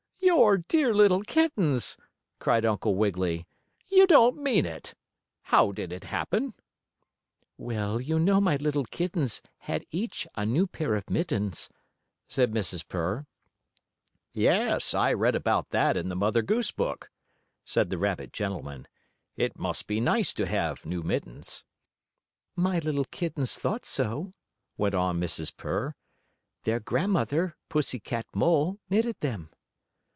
Your dear little kittens!" cried Uncle Wiggily. "You don't mean it! How did it happen?" "Well, you know my little kittens had each a new pair of mittens," said Mrs. Purr. "Yes, I read about that in the Mother Goose book," said the rabbit gentleman. "It must be nice to have new mittens." "My little kittens thought so," went on Mrs. Purr. "Their grandmother, Pussy Cat Mole, knitted them."